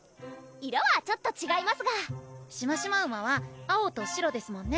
色はちょっとちがいますがシマシマウマは青と白ですもんね